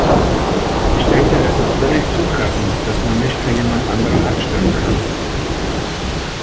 Ich denke, es ist völlig zutreffend, dass man nicht für jemand anderen abstimmen kann.